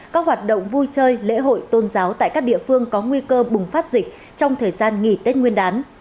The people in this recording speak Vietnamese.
các hoạt động vui chơi lễ hội tôn giáo tại các địa phương có nguy cơ bùng phát dịch trong thời gian nghỉ tết nguyên đán